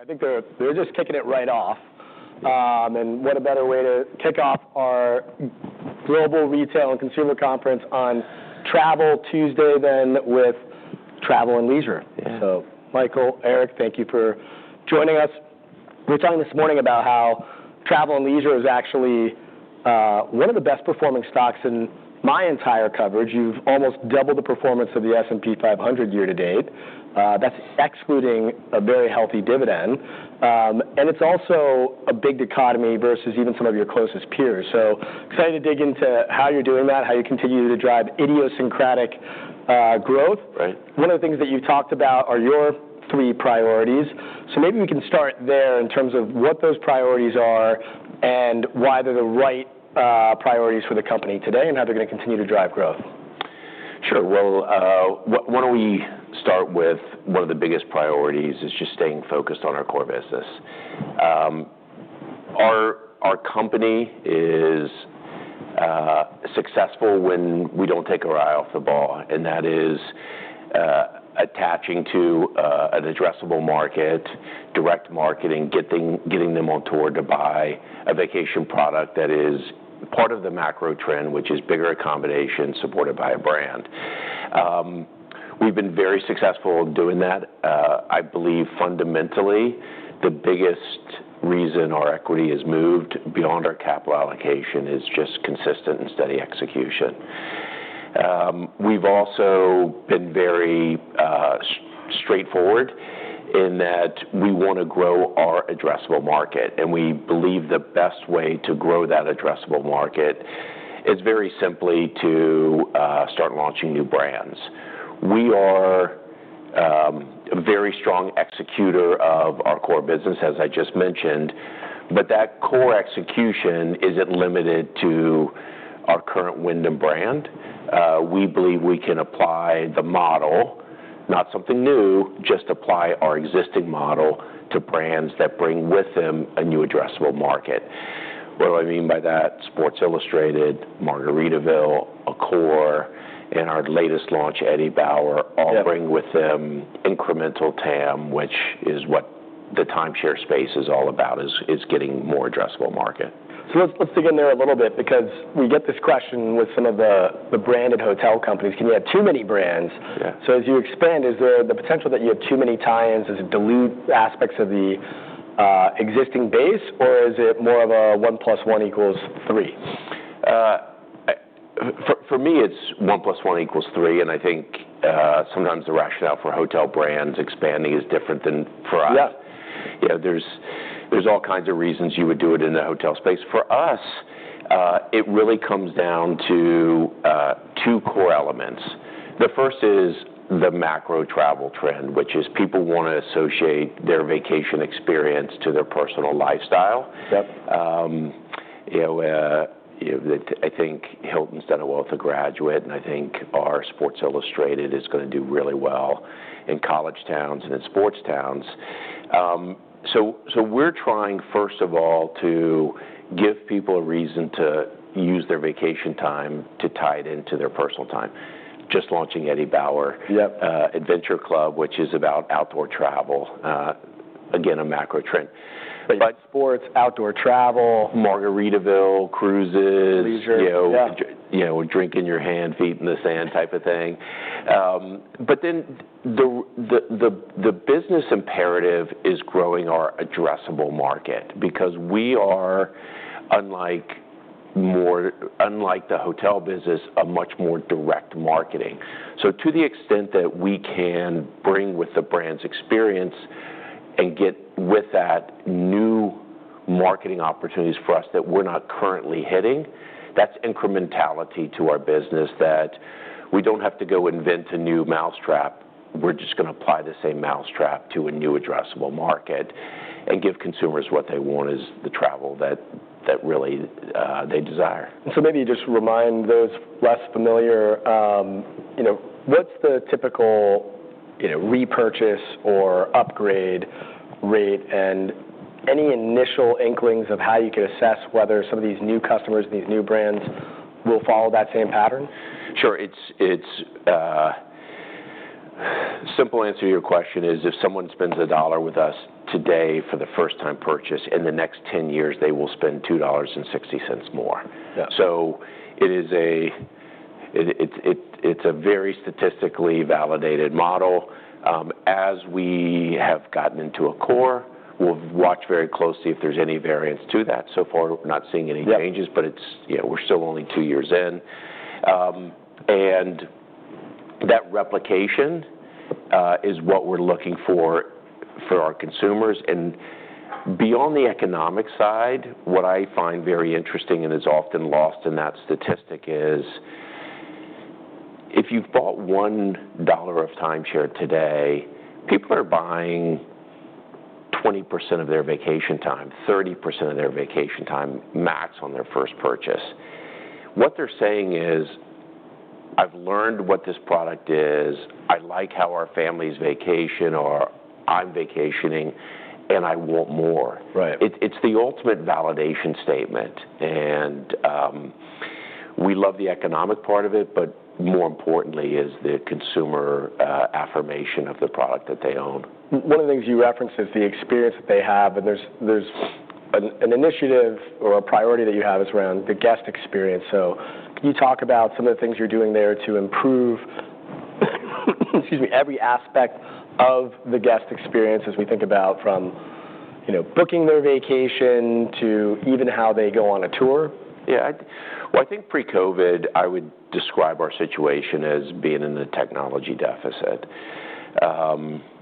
I think they're just kicking it right off. What a better way to kick off our Global Retail and Consumer Conference on Travel Tuesday than with Travel + Leisure. Michael, Eric, thank you for joining us. We were talking this morning about how Travel + Leisure is actually one of the best-performing stocks in my entire coverage. You've almost doubled the performance of the S&P 500 year to date. That's excluding a very healthy dividend. It's also a big dichotomy versus even some of your closest peers. Excited to dig into how you're doing that, how you continue to drive idiosyncratic growth. One of the things that you've talked about are your three priorities. Maybe we can start there in terms of what those priorities are and why they're the right priorities for the company today and how they're going to continue to drive growth. Sure. Why don't we start with one of the biggest priorities is just staying focused on our core business. Our company is successful when we don't take our eye off the ball, and that is attaching to an addressable market, direct marketing, getting them on tour to buy a vacation product that is part of the macro trend, which is bigger accommodation supported by a brand. We've been very successful in doing that. I believe fundamentally the biggest reason our equity has moved beyond our capital allocation is just consistent and steady execution. We've also been very straightforward in that we want to grow our addressable market, and we believe the best way to grow that addressable market is very simply to start launching new brands. We are a very strong executor of our core business, as I just mentioned, but that core execution isn't limited to our current Wyndham brand. We believe we can apply the model, not something new, just apply our existing model to brands that bring with them a new addressable market. What do I mean by that? Sports Illustrated, Margaritaville, Accor, and our latest launch, Eddie Bauer, all bring with them incremental TAM, which is what the timeshare space is all about, is getting more addressable market. Let's dig in there a little bit because we get this question with some of the branded hotel companies. Can you have too many brands? As you expand, is there the potential that you have too many tie-ins? Does it dilute aspects of the existing base, or is it more of 1 + 1 equals 3? For me, it's one plus one equals three, and I think sometimes the rationale for hotel brands expanding is different than for us. There's all kinds of reasons you would do it in the hotel space. For us, it really comes down to two core elements. The first is the macro travel trend, which is people want to associate their vacation experience to their personal lifestyle. I think Hilton's done a wealth of Graduate, and I think our Sports Illustrated is going to do really well in college towns and in sports towns. We're trying, first of all, to give people a reason to use their vacation time to tie it into their personal time. Just launching Eddie Bauer Adventure Club, which is about outdoor travel. Again, a macro trend. Like sports, outdoor travel. Margaritaville, cruises. Leisure. Drink in your hand, feet in the sand type of thing. The business imperative is growing our addressable market because we are, unlike the hotel business, a much more direct marketing. To the extent that we can bring with the brand's experience and get with that new marketing opportunities for us that we're not currently hitting, that's incrementality to our business that we don't have to go invent a new mousetrap. We're just going to apply the same mousetrap to a new addressable market and give consumers what they want is the travel that really they desire. Maybe just to remind those less familiar, what's the typical repurchase or upgrade rate and any initial inklings of how you could assess whether some of these new customers and these new brands will follow that same pattern? Sure. The simple answer to your question is if someone spends $1 with us today for the first-time purchase, in the next 10 years they will spend $2.60 more. It is a very statistically validated model. As we have gotten into Accor, we have watched very closely if there is any variance to that. So far, we are not seeing any changes, but we are still only two years in. That replication is what we are looking for for our consumers. Beyond the economic side, what I find very interesting and is often lost in that statistic is if you bought $1 of timeshare today, people are buying 20% of their vacation time, 30% of their vacation time max on their first purchase. What they are saying is, "I have learned what this product is. I like how our families vacation or I am vacationing, and I want more." It is the ultimate validation statement. We love the economic part of it, but more importantly is the consumer affirmation of the product that they own. One of the things you referenced is the experience that they have, and there's an initiative or a priority that you have is around the guest experience. Can you talk about some of the things you're doing there to improve every aspect of the guest experience as we think about from booking their vacation to even how they go on a tour? Yeah. I think pre-COVID, I would describe our situation as being in a technology deficit.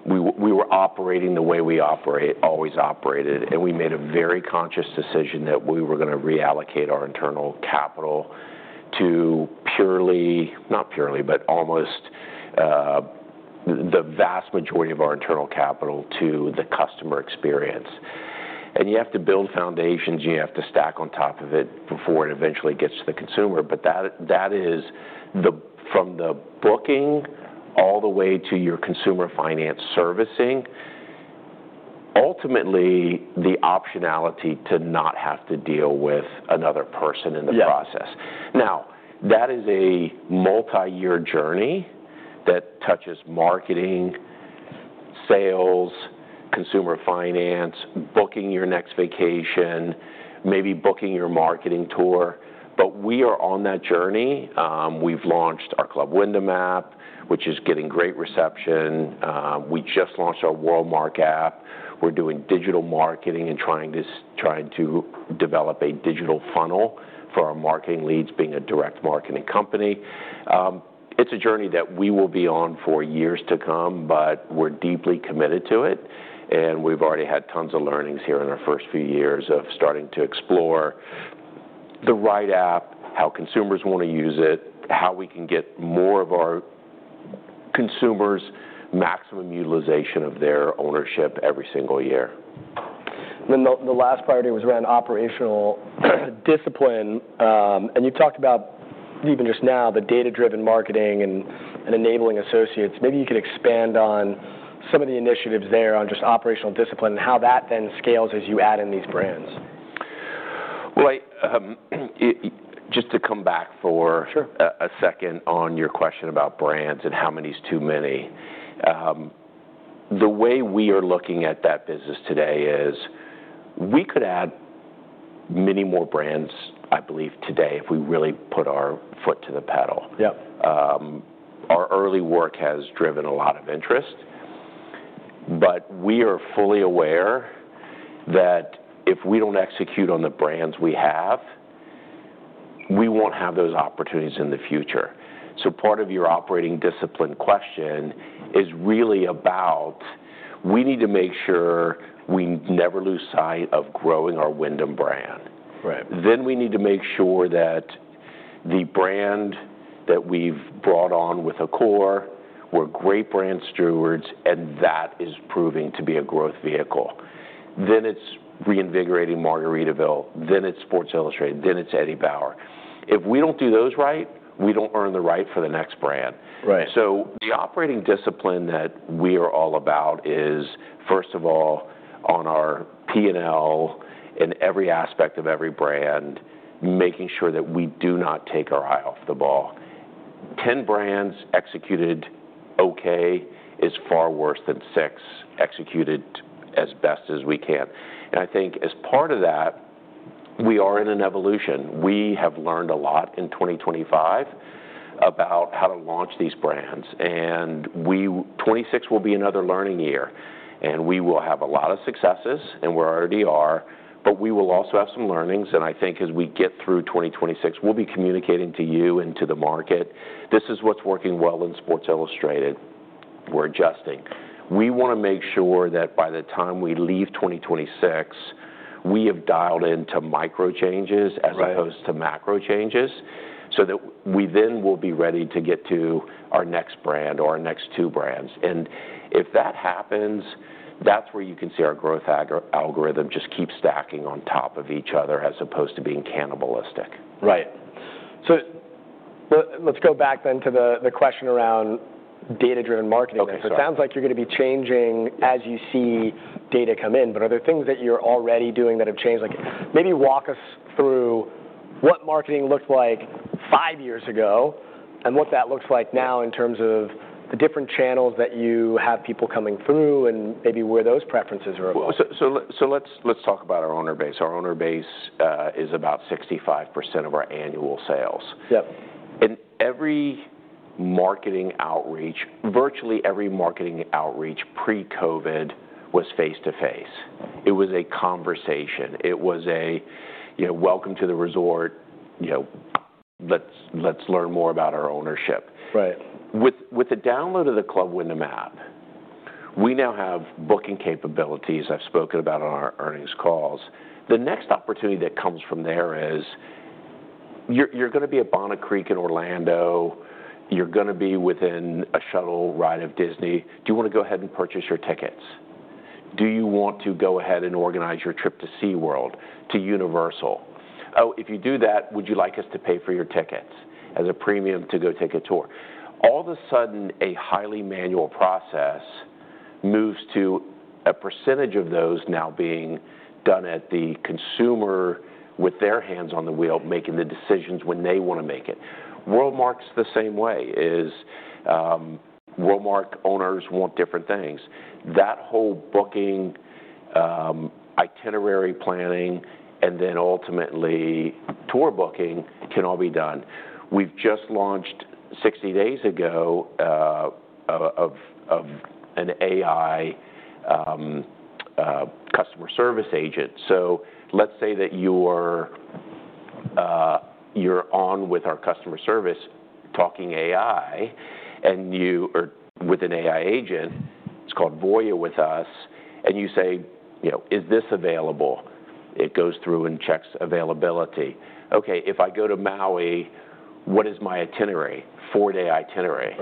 We were operating the way we always operated, and we made a very conscious decision that we were going to reallocate our internal capital to purely, not purely, but almost the vast majority of our internal capital to the customer experience. You have to build foundations, and you have to stack on top of it before it eventually gets to the consumer. That is from the booking all the way to your consumer finance servicing, ultimately the optionality to not have to deal with another person in the process. That is a multi-year journey that touches marketing, sales, consumer finance, booking your next vacation, maybe booking your marketing tour. We are on that journey. We've launched our Club Wyndham app, which is getting great reception. We just launched our Walmart app. We're doing digital marketing and trying to develop a digital funnel for our marketing leads being a direct marketing company. It's a journey that we will be on for years to come, but we're deeply committed to it. We've already had tons of learnings here in our first few years of starting to explore the right app, how consumers want to use it, how we can get more of our consumers' maximum utilization of their ownership every single year. The last priority was around operational discipline. You talked about even just now the data-driven marketing and enabling associates. Maybe you could expand on some of the initiatives there on just operational discipline and how that then scales as you add in these brands. Just to come back for a second on your question about brands and how many is too many, the way we are looking at that business today is we could add many more brands, I believe, today if we really put our foot to the pedal. Our early work has driven a lot of interest, but we are fully aware that if we don't execute on the brands we have, we won't have those opportunities in the future. Part of your operating discipline question is really about we need to make sure we never lose sight of growing our Wyndham brand. We need to make sure that the brand that we've brought on with Accor, we're great brand stewards, and that is proving to be a growth vehicle. It's reinvigorating Margaritaville, it's Sports Illustrated, it's Eddie Bauer. If we do not do those right, we do not earn the right for the next brand. The operating discipline that we are all about is, first of all, on our P&L and every aspect of every brand, making sure that we do not take our eye off the ball. Ten brands executed okay is far worse than six executed as best as we can. I think as part of that, we are in an evolution. We have learned a lot in 2025 about how to launch these brands. 2026 will be another learning year, and we will have a lot of successes, and we already are, but we will also have some learnings. I think as we get through 2026, we will be communicating to you and to the market, "This is what is working well in Sports Illustrated. We want to make sure that by the time we leave 2026, we have dialed into micro changes as opposed to macro changes so that we then will be ready to get to our next brand or our next two brands. If that happens, that's where you can see our growth algorithm just keeps stacking on top of each other as opposed to being cannibalistic. Right. Let's go back then to the question around data-driven marketing. It sounds like you're going to be changing as you see data come in, but are there things that you're already doing that have changed? Maybe walk us through what marketing looked like five years ago and what that looks like now in terms of the different channels that you have people coming through and maybe where those preferences are going. Let's talk about our owner base. Our owner base is about 65% of our annual sales. Every marketing outreach, virtually every marketing outreach pre-COVID was face-to-face. It was a conversation. It was a welcome to the resort. Let's learn more about our ownership. With the download of the Club Wyndham app, we now have booking capabilities I've spoken about on our earnings calls. The next opportunity that comes from there is you're going to be at Bonnet Creek in Orlando. You're going to be within a shuttle ride of Disney. Do you want to go ahead and purchase your tickets? Do you want to go ahead and organize your trip to SeaWorld, to Universal? Oh, if you do that, would you like us to pay for your tickets as a premium to go take a tour? All of a sudden, a highly manual process moves to a percentage of those now being done at the consumer with their hands on the wheel, making the decisions when they want to make it. Walmart's the same way. Walmart owners want different things. That whole booking, itinerary planning, and then ultimately tour booking can all be done. We've just launched 60 days ago an AI customer service agent. Let's say that you're on with our customer service talking AI and you are with an AI agent. It's called Voya with us. You say, "Is this available?" It goes through and checks availability. Okay, if I go to Maui, what is my itinerary? Four-day itinerary.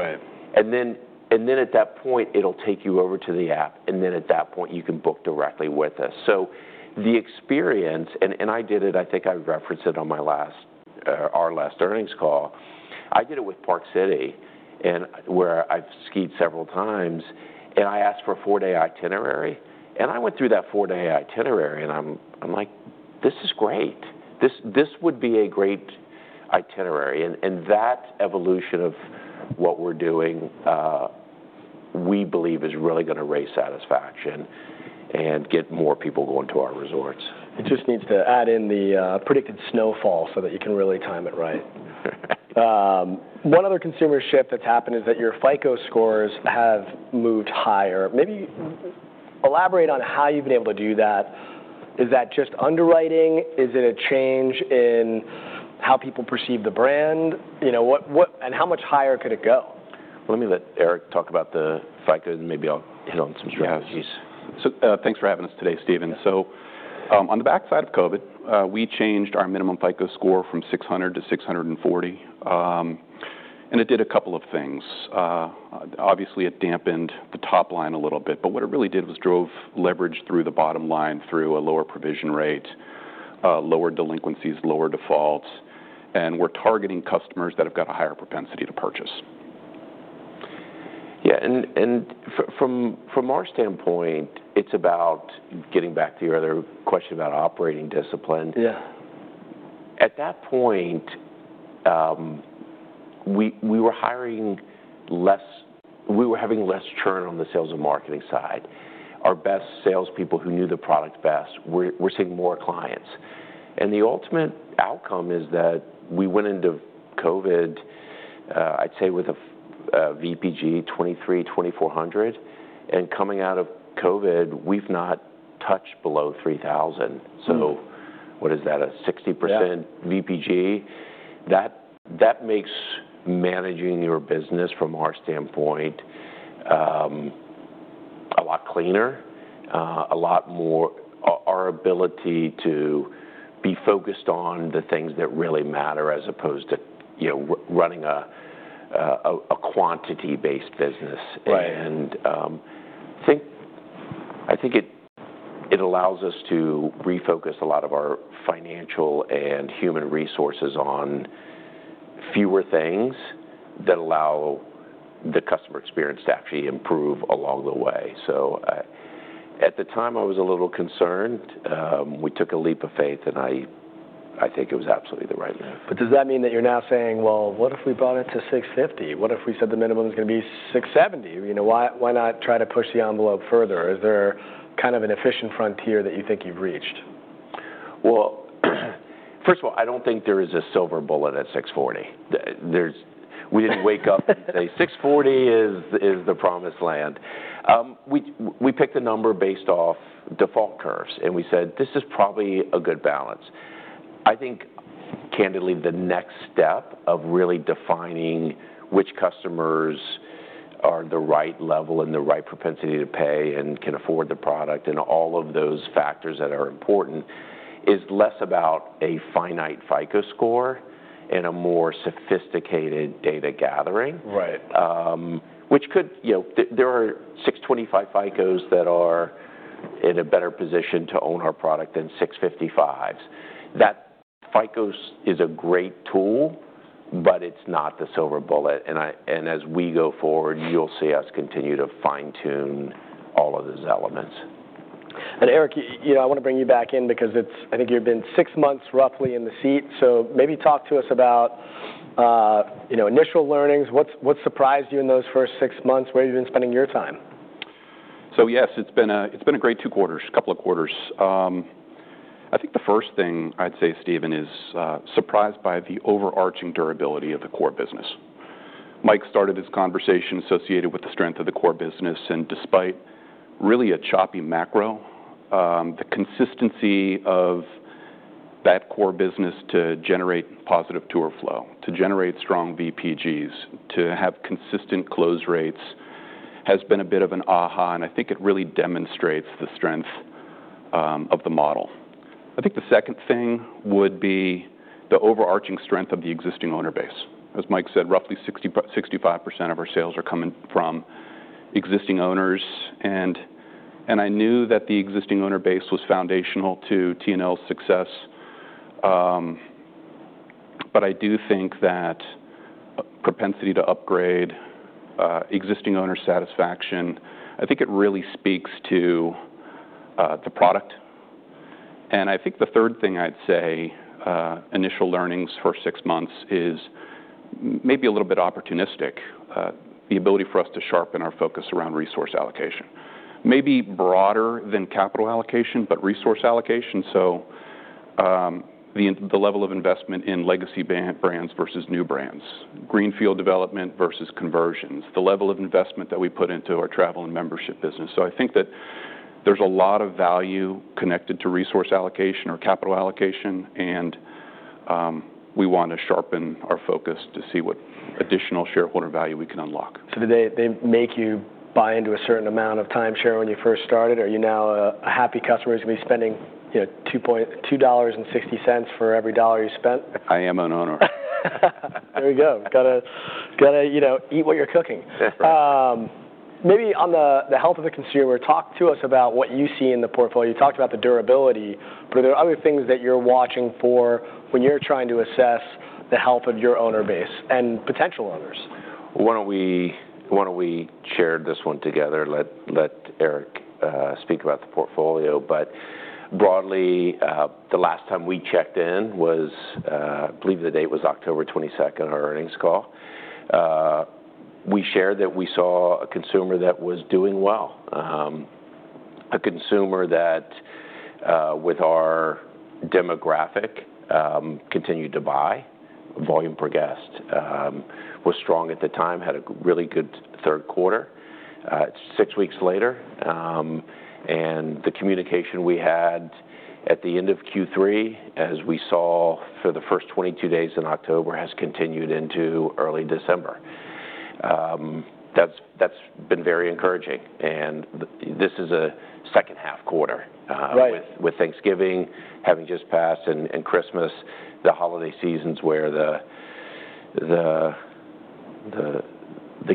At that point, it'll take you over to the app, and at that point, you can book directly with us. The experience, and I did it. I think I referenced it on our last earnings call. I did it with Park City, where I've skied several times, and I asked for a four-day itinerary. I went through that four-day itinerary, and I'm like, "This is great. This would be a great itinerary." That evolution of what we're doing, we believe, is really going to raise satisfaction and get more people going to our resorts. It just needs to add in the predicted snowfall so that you can really time it right. One other consumer shift that's happened is that your FICO scores have moved higher. Maybe elaborate on how you've been able to do that. Is that just underwriting? Is it a change in how people perceive the brand? How much higher could it go? Let me let Eric talk about the FICO, and maybe I'll hit on some strategies. Yeah. Thanks for having us today, Stephen. On the backside of COVID, we changed our minimum FICO score from 600 to 640. It did a couple of things. Obviously, it dampened the top line a little bit, but what it really did was drove leverage through the bottom line through a lower provision rate, lower delinquencies, lower defaults. We are targeting customers that have got a higher propensity to purchase. Yeah. From our standpoint, it's about getting back to your other question about operating discipline. At that point, we were having less churn on the sales and marketing side. Our best salespeople who knew the product best were seeing more clients. The ultimate outcome is that we went into COVID, I'd say with a VPG, $2,300-$2,400. Coming out of COVID, we've not touched below $3,000. What is that, a 60% VPG? That makes managing your business from our standpoint a lot cleaner, a lot more our ability to be focused on the things that really matter as opposed to running a quantity-based business. I think it allows us to refocus a lot of our financial and human resources on fewer things that allow the customer experience to actually improve along the way. At the time, I was a little concerned. We took a leap of faith, and I think it was absolutely the right move. Does that mean that you're now saying, "Well, what if we brought it to 650? What if we said the minimum is going to be 670? Why not try to push the envelope further?" Is there kind of an efficient frontier that you think you've reached? First of all, I don't think there is a silver bullet at 640. We didn't wake up and say, "640 is the promised land." We picked a number based off default curves, and we said, "This is probably a good balance." I think, candidly, the next step of really defining which customers are the right level and the right propensity to pay and can afford the product and all of those factors that are important is less about a finite FICO score and a more sophisticated data gathering, which could be there are 625 FICOs that are in a better position to own our product than 655s. That FICO is a great tool, but it's not the silver bullet. As we go forward, you'll see us continue to fine-tune all of those elements. Eric, I want to bring you back in because I think you've been six months roughly in the seat. Maybe talk to us about initial learnings. What surprised you in those first six months? Where have you been spending your time? Yes, it's been a great two quarters, couple of quarters. I think the first thing I'd say, Stephen, is surprised by the overarching durability of the core business. Mike started this conversation associated with the strength of the core business. Despite really a choppy macro, the consistency of that core business to generate positive tour flow, to generate strong VPGs, to have consistent close rates has been a bit of an aha. I think it really demonstrates the strength of the model. I think the second thing would be the overarching strength of the existing owner base. As Mike said, roughly 65% of our sales are coming from existing owners. I knew that the existing owner base was foundational to T&L's success, but I do think that propensity to upgrade, existing owner satisfaction, I think it really speaks to the product. I think the third thing I'd say, initial learnings for six months, is maybe a little bit opportunistic, the ability for us to sharpen our focus around resource allocation. Maybe broader than capital allocation, but resource allocation. The level of investment in legacy brands versus new brands, greenfield development versus conversions, the level of investment that we put into our travel and membership business. I think that there's a lot of value connected to resource allocation or capital allocation, and we want to sharpen our focus to see what additional shareholder value we can unlock. Did they make you buy into a certain amount of timeshare when you first started? Are you now a happy customer who's going to be spending $2.60 for every dollar you spent? I am an owner. There you go. Got to eat what you're cooking. Maybe on the health of the consumer, talk to us about what you see in the portfolio. You talked about the durability, but are there other things that you're watching for when you're trying to assess the health of your owner base and potential owners? Why do not we share this one together? Let Eric speak about the portfolio. Broadly, the last time we checked in was, I believe the date was October 22, our earnings call. We shared that we saw a consumer that was doing well, a consumer that, with our demographic, continued to buy. Volume per guest was strong at the time, had a really good third quarter. Six weeks later, the communication we had at the end of Q3, as we saw for the first 22 days in October, has continued into early December. That has been very encouraging. This is a second half quarter with Thanksgiving having just passed and Christmas, the holiday seasons where the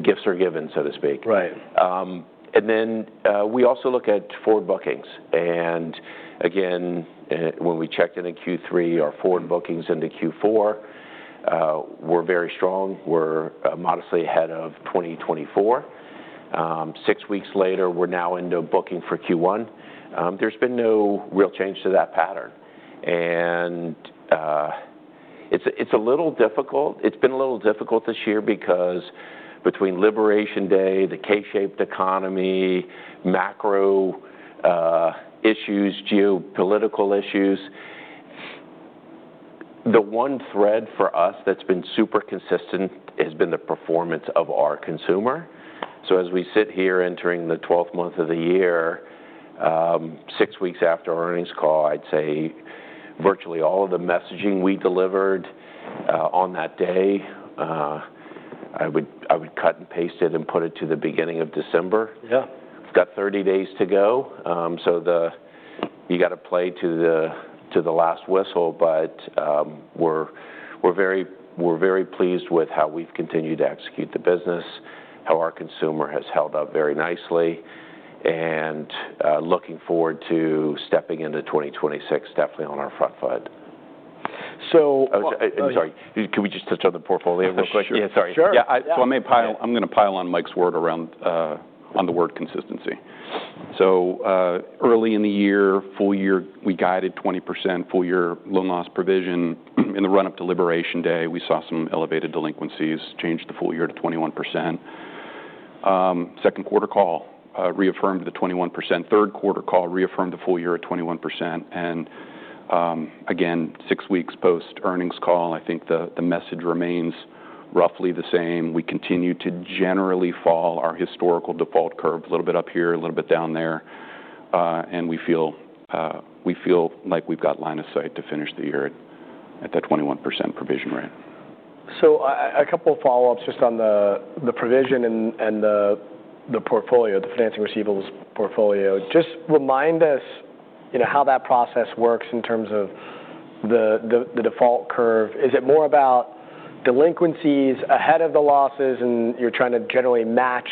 gifts are given, so to speak. We also look at forward bookings. Again, when we checked in in Q3, our forward bookings into Q4 were very strong. We're modestly ahead of 2024. Six weeks later, we're now into booking for Q1. There's been no real change to that pattern. It's a little difficult. It's been a little difficult this year because between Liberation Day, the K-shaped economy, macro issues, geopolitical issues, the one thread for us that's been super consistent has been the performance of our consumer. As we sit here entering the 12th month of the year, six weeks after our earnings call, I'd say virtually all of the messaging we delivered on that day, I would cut and paste it and put it to the beginning of December. It's got 30 days to go. You got to play to the last whistle, but we're very pleased with how we've continued to execute the business, how our consumer has held up very nicely, and looking forward to stepping into 2026 definitely on our front foot. So. I'm sorry. Can we just touch on the portfolio real quick? Sure. Yeah. Sure. Yeah. I'm going to pile on Mike's word on the word consistency. Early in the year, full year, we guided 20% full year loan loss provision. In the run-up to Liberation Day, we saw some elevated delinquencies, changed the full year to 21%. Second quarter call reaffirmed the 21%. Third quarter call reaffirmed the full year at 21%. Again, six weeks post earnings call, I think the message remains roughly the same. We continue to generally fall our historical default curve, a little bit up here, a little bit down there. We feel like we've got line of sight to finish the year at that 21% provision rate. A couple of follow-ups just on the provision and the portfolio, the financing receivables portfolio. Just remind us how that process works in terms of the default curve. Is it more about delinquencies ahead of the losses, and you're trying to generally match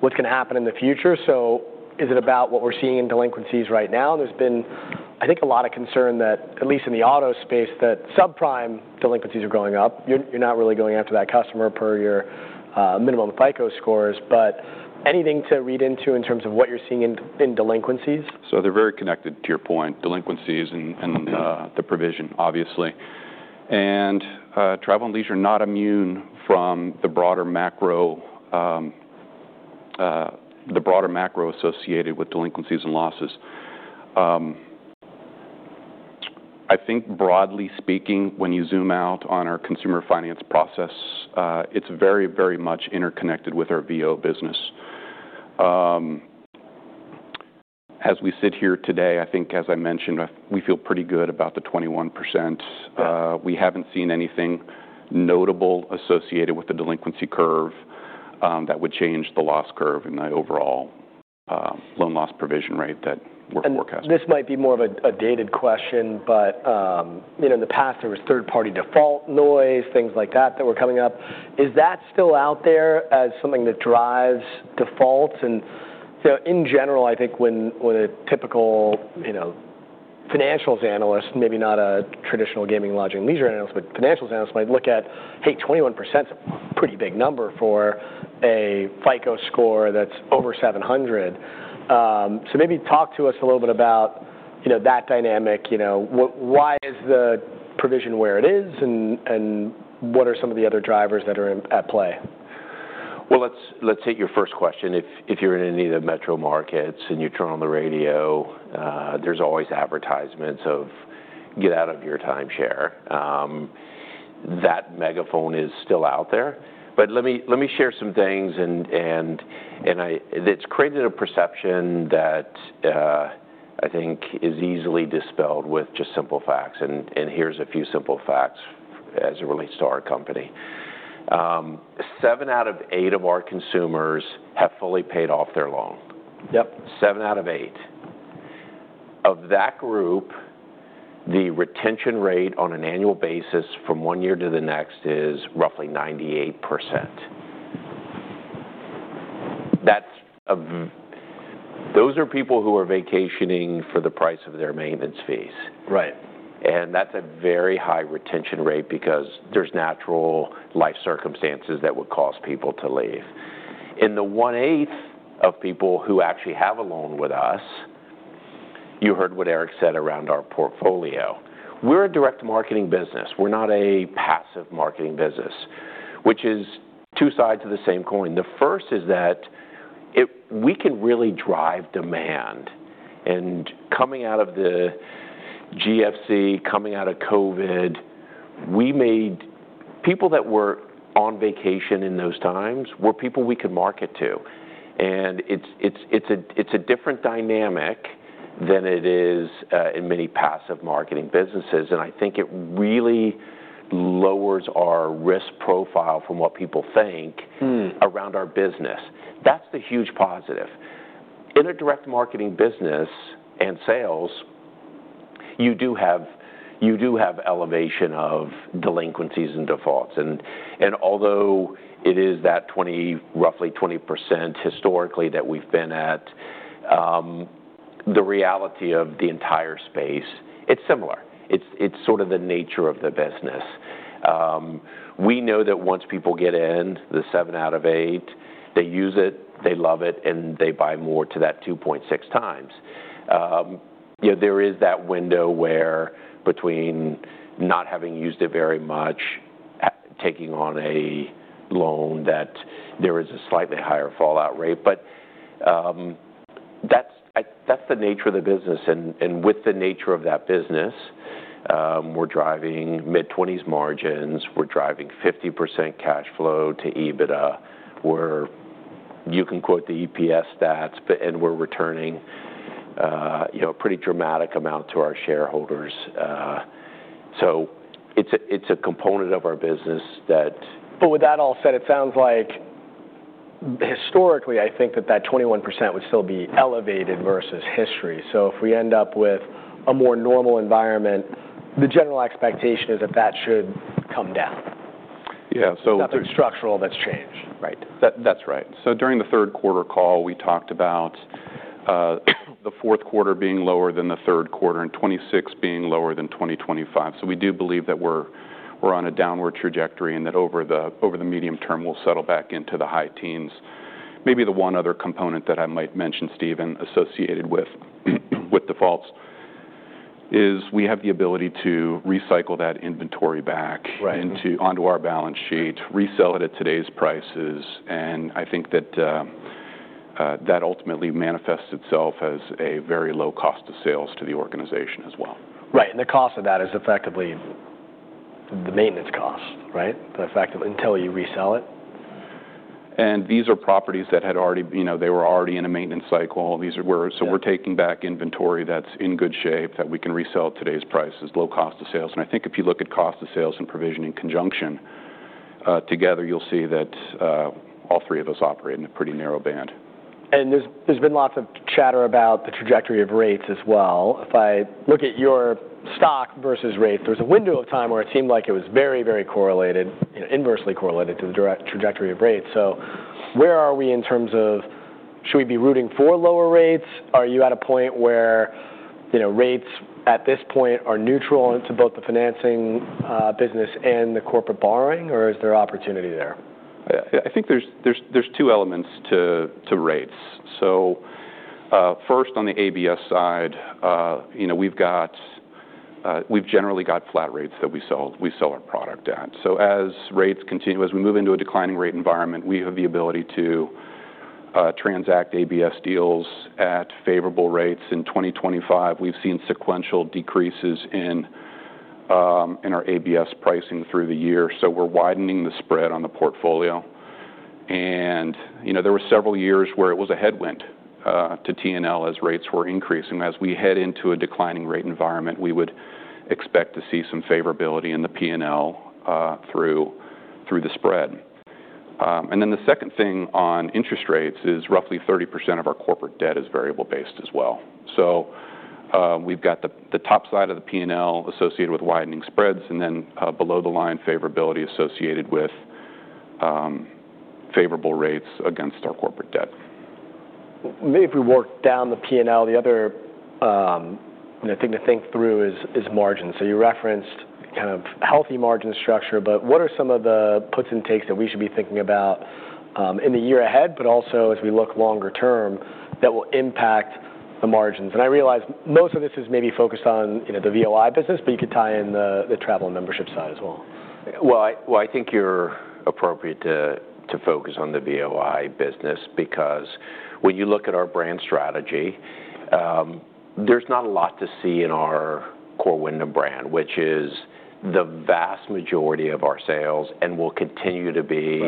what's going to happen in the future? Is it about what we're seeing in delinquencies right now? There's been, I think, a lot of concern that, at least in the auto space, that subprime delinquencies are going up. You're not really going after that customer per your minimum FICO scores. Anything to read into in terms of what you're seeing in delinquencies? They are very connected to your point, delinquencies and the provision, obviously. Travel and leisure are not immune from the broader macro associated with delinquencies and losses. I think, broadly speaking, when you zoom out on our consumer finance process, it is very, very much interconnected with our VO business. As we sit here today, I think, as I mentioned, we feel pretty good about the 21%. We have not seen anything notable associated with the delinquency curve that would change the loss curve and the overall loan loss provision rate that we are forecasting. This might be more of a dated question, but in the past, there was third-party default noise, things like that that were coming up. Is that still out there as something that drives defaults? In general, I think when a typical financials analyst, maybe not a traditional gaming, lodging, leisure analyst, but financials analyst might look at, "Hey, 21% is a pretty big number for a FICO score that's over 700." Maybe talk to us a little bit about that dynamic. Why is the provision where it is, and what are some of the other drivers that are at play? Let's take your first question. If you're in any of the metro markets and you turn on the radio, there's always advertisements of, "Get out of your timeshare." That megaphone is still out there. Let me share some things. It's created a perception that I think is easily dispelled with just simple facts. Here are a few simple facts as it relates to our company. Seven out of eight of our consumers have fully paid off their loan. Seven out of eight. Of that group, the retention rate on an annual basis from one year to the next is roughly 98%. Those are people who are vacationing for the price of their maintenance fees. That's a very high retention rate because there's natural life circumstances that would cause people to leave. In the one-eighth of people who actually have a loan with us, you heard what Eric said around our portfolio. We're a direct marketing business. We're not a passive marketing business, which is two sides of the same coin. The first is that we can really drive demand. Coming out of the GFC, coming out of COVID, people that were on vacation in those times were people we could market to. It's a different dynamic than it is in many passive marketing businesses. I think it really lowers our risk profile from what people think around our business. That's the huge positive. In a direct marketing business and sales, you do have elevation of delinquencies and defaults. Although it is that roughly 20% historically that we've been at, the reality of the entire space, it's similar. It's sort of the nature of the business. We know that once people get in, the seven out of eight, they use it, they love it, and they buy more to that 2.6 times. There is that window where between not having used it very much, taking on a loan, that there is a slightly higher fallout rate. That is the nature of the business. With the nature of that business, we're driving mid-20% margins. We're driving 50% cash flow to EBITDA. You can quote the EPS stats, and we're returning a pretty dramatic amount to our shareholders. It is a component of our business that. With that all said, it sounds like historically, I think that that 21% would still be elevated versus history. If we end up with a more normal environment, the general expectation is that that should come down. Yeah. So. That's structural that's changed. Right. That's right. During the third quarter call, we talked about the fourth quarter being lower than the third quarter and 2026 being lower than 2025. We do believe that we're on a downward trajectory and that over the medium term, we'll settle back into the high teens. Maybe the one other component that I might mention, Stephen, associated with defaults is we have the ability to recycle that inventory back onto our balance sheet, resell it at today's prices. I think that ultimately manifests itself as a very low cost of sales to the organization as well. Right. And the cost of that is effectively the maintenance cost, right, until you resell it. These are properties that had already been in a maintenance cycle. We are taking back inventory that is in good shape that we can resell at today's prices, low cost of sales. I think if you look at cost of sales and provision in conjunction together, you will see that all three of us operate in a pretty narrow band. There has been lots of chatter about the trajectory of rates as well. If I look at your stock versus rates, there was a window of time where it seemed like it was very, very correlated, inversely correlated to the trajectory of rates. Where are we in terms of should we be rooting for lower rates? Are you at a point where rates at this point are neutral to both the financing business and the corporate borrowing, or is there opportunity there? I think there's two elements to rates. First, on the ABS side, we've generally got flat rates that we sell our product at. As rates continue, as we move into a declining rate environment, we have the ability to transact ABS deals at favorable rates. In 2025, we've seen sequential decreases in our ABS pricing through the year. We're widening the spread on the portfolio. There were several years where it was a headwind to T&L as rates were increasing. As we head into a declining rate environment, we would expect to see some favorability in the P&L through the spread. The second thing on interest rates is roughly 30% of our corporate debt is variable-based as well. We've got the top side of the P&L associated with widening spreads and then below the line favorability associated with favorable rates against our corporate debt. Maybe if we work down the P&L, the other thing to think through is margins. You referenced kind of healthy margin structure, but what are some of the puts and takes that we should be thinking about in the year ahead, but also as we look longer term that will impact the margins? I realize most of this is maybe focused on the VOI business, but you could tie in the travel and membership side as well. I think you're appropriate to focus on the VOI business because when you look at our brand strategy, there's not a lot to see in our core Wyndham brand, which is the vast majority of our sales and will continue to be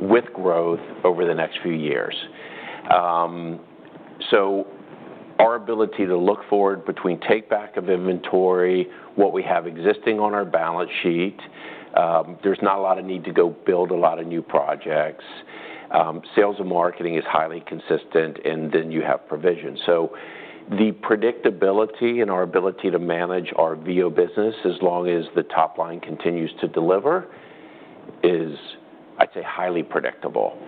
with growth over the next few years. Our ability to look forward between take back of inventory, what we have existing on our balance sheet, there's not a lot of need to go build a lot of new projects. Sales and marketing is highly consistent, and then you have provision. The predictability and our ability to manage our VOI business as long as the top line continues to deliver is, I'd say, highly predictable.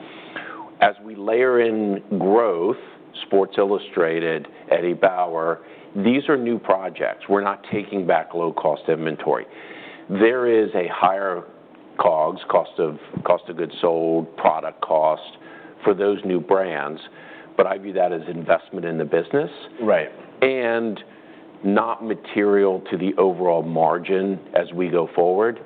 As we layer in growth, Sports Illustrated, Eddie Bauer, these are new projects. We're not taking back low-cost inventory. There is a higher COGS, cost of goods sold, product cost for those new brands, but I view that as investment in the business and not material to the overall margin as we go forward.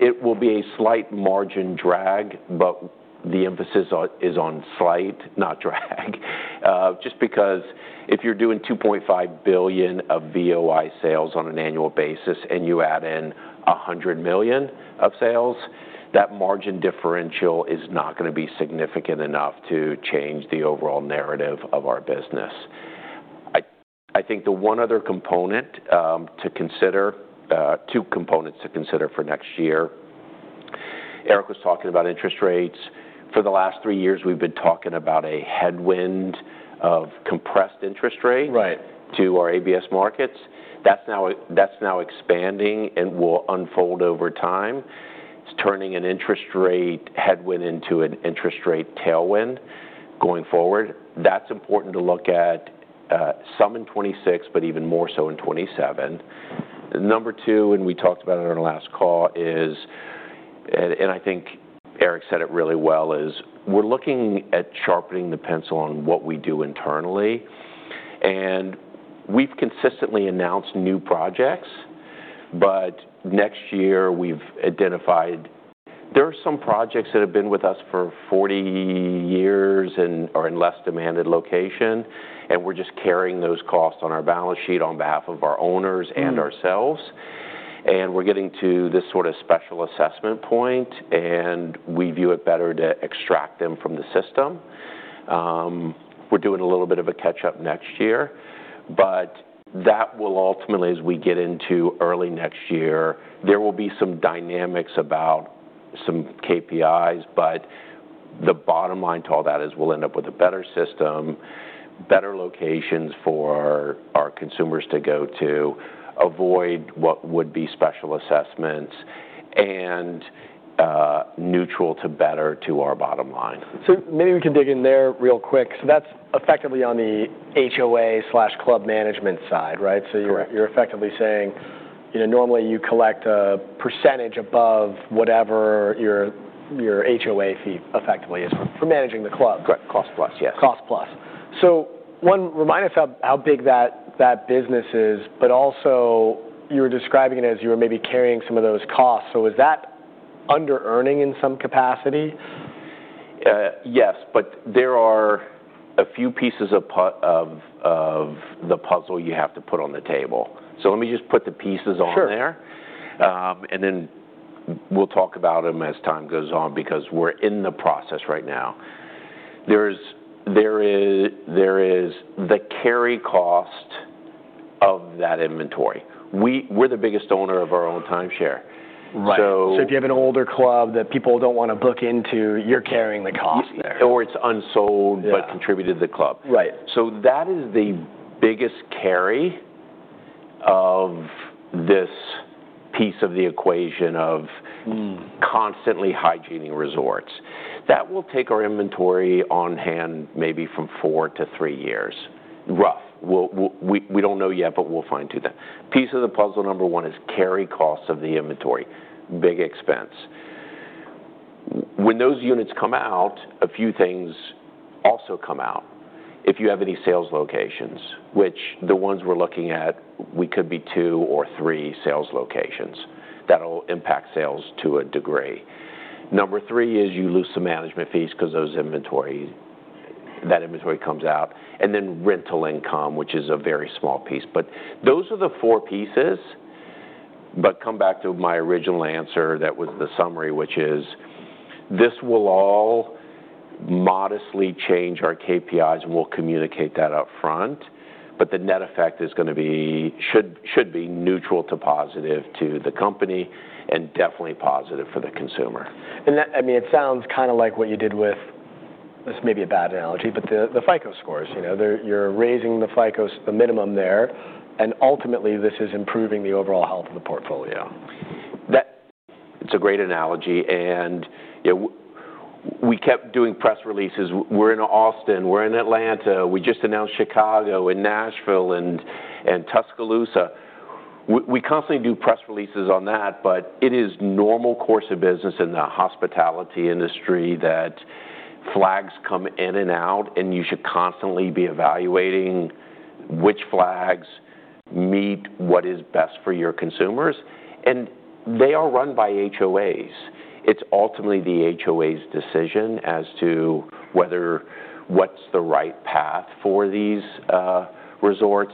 It will be a slight margin drag, but the emphasis is on slight, not drag, just because if you're doing $2.5 billion of VOI sales on an annual basis and you add in $100 million of sales, that margin differential is not going to be significant enough to change the overall narrative of our business. I think the one other component to consider, two components to consider for next year, Eric was talking about interest rates. For the last three years, we've been talking about a headwind of compressed interest rate to our ABS markets. That's now expanding and will unfold over time. It's turning an interest rate headwind into an interest rate tailwind going forward. That's important to look at some in 2026, but even more so in 2027. Number two, and we talked about it on our last call, and I think Eric said it really well, is we're looking at sharpening the pencil on what we do internally. We've consistently announced new projects, but next year we've identified there are some projects that have been with us for 40 years and are in less demanded location, and we're just carrying those costs on our balance sheet on behalf of our owners and ourselves. We're getting to this sort of special assessment point, and we view it better to extract them from the system. We're doing a little bit of a catch-up next year, but that will ultimately, as we get into early next year, there will be some dynamics about some KPIs, but the bottom line to all that is we'll end up with a better system, better locations for our consumers to go to, avoid what would be special assessments, and neutral to better to our bottom line. Maybe we can dig in there real quick. That's effectively on the HOA/club management side, right? You're effectively saying normally you collect a percentage above whatever your HOA fee effectively is for managing the club. Correct. Cost plus, yes. Cost plus. One, remind us how big that business is, but also you were describing it as you were maybe carrying some of those costs. Is that under-earning in some capacity? Yes, but there are a few pieces of the puzzle you have to put on the table. Let me just put the pieces on there, and then we'll talk about them as time goes on because we're in the process right now. There is the carry cost of that inventory. We're the biggest owner of our own timeshare. Right. So, if you have an older club that people don't want to book into, you're carrying the cost there. Or it's unsold but contributed to the club. That is the biggest carry of this piece of the equation of constantly hygiening resorts. That will take our inventory on hand maybe from four to three years, rough. We do not know yet, but we will find to that. Piece of the puzzle number one is carry cost of the inventory, big expense. When those units come out, a few things also come out. If you have any sales locations, which the ones we are looking at, we could be two or three sales locations that will impact sales to a degree. Number three is you lose some management fees because that inventory comes out. Then rental income, which is a very small piece. Those are the four pieces. Come back to my original answer that was the summary, which is this will all modestly change our KPIs, and we'll communicate that upfront, but the net effect is going to be should be neutral to positive to the company and definitely positive for the consumer. I mean, it sounds kind of like what you did with, this may be a bad analogy, but the FICO scores. You're raising the FICO minimum there, and ultimately this is improving the overall health of the portfolio. It's a great analogy. We kept doing press releases. We're in Austin. We're in Atlanta. We just announced Chicago and Nashville and Tuscaloosa. We constantly do press releases on that, but it is normal course of business in the hospitality industry that flags come in and out, and you should constantly be evaluating which flags meet what is best for your consumers. They are run by HOAs. It's ultimately the HOA's decision as to what's the right path for these resorts.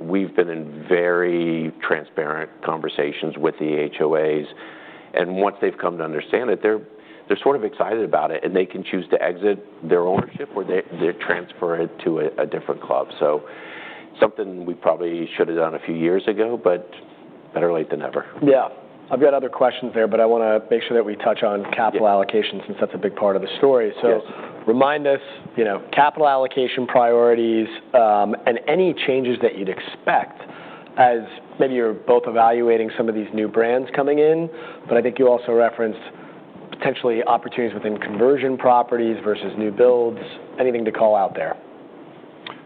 We have been in very transparent conversations with the HOAs. Once they've come to understand it, they're sort of excited about it, and they can choose to exit their ownership or they transfer it to a different club. Something we probably should have done a few years ago, but better late than never. Yeah. I've got other questions there, but I want to make sure that we touch on capital allocation since that's a big part of the story. Remind us capital allocation priorities and any changes that you'd expect as maybe you're both evaluating some of these new brands coming in, but I think you also referenced potentially opportunities within conversion properties versus new builds. Anything to call out there?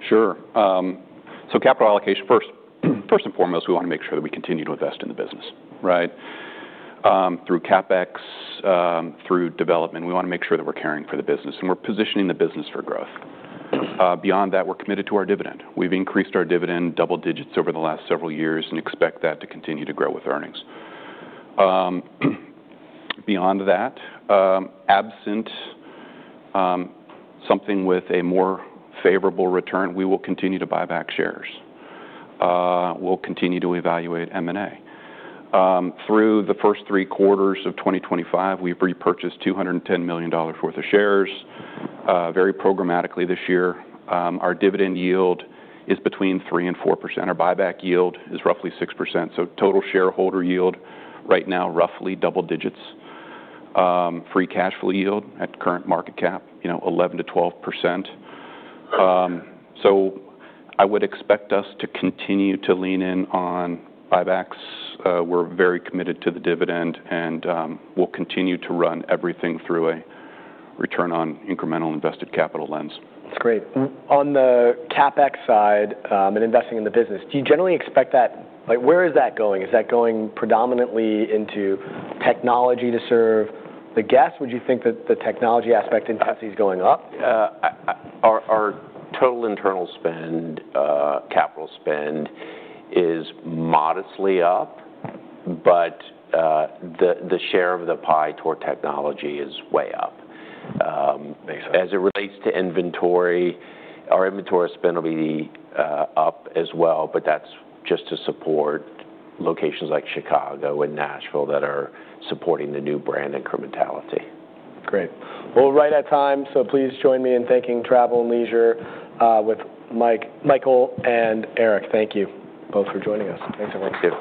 Sure. Capital allocation, first and foremost, we want to make sure that we continue to invest in the business, right, through CapEx, through development. We want to make sure that we're caring for the business, and we're positioning the business for growth. Beyond that, we're committed to our dividend. We've increased our dividend double digits over the last several years and expect that to continue to grow with earnings. Beyond that, absent something with a more favorable return, we will continue to buy back shares. We'll continue to evaluate M&A. Through the first three quarters of 2025, we've repurchased $210 million worth of shares very programmatically this year. Our dividend yield is between 3% and 4%. Our buyback yield is roughly 6%. Total shareholder yield right now, roughly double digits. Free cash flow yield at current market cap, 11%-12%. I would expect us to continue to lean in on buybacks. We're very committed to the dividend, and we'll continue to run everything through a return on incremental invested capital lens. That's great. On the CapEx side and investing in the business, do you generally expect that? Where is that going? Is that going predominantly into technology to serve the guests? Would you think that the technology aspect in Tennessee is going up? Our total internal spend, capital spend is modestly up, but the share of the pie toward technology is way up. As it relates to inventory, our inventory spend will be up as well, but that's just to support locations like Chicago and Nashville that are supporting the new brand incrementality. Great. We're right at time, so please join me in thanking Travel + Leisure with Michael and Eric. Thank you both for joining us. Thanks, everyone. Thank you.